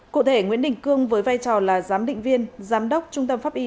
cụ thể nguyễn đình cương với vai trò là giám định viên giám đốc trung tâm pháp y